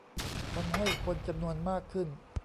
ทำให้คนจำนวนมากขึ้น